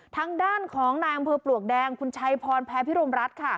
ทางด้านของนายอำเภอปลวกแดงคุณชัยพรแพ้พิรมรัฐค่ะ